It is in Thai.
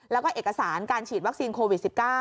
แล้วก็เอกสารการฉีดวัคซีนโควิด๑๙